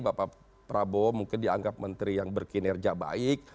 bapak prabowo mungkin dianggap menteri yang berkinerja baik